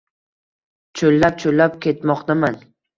Choʼllab-choʼllab ketmoqdaman.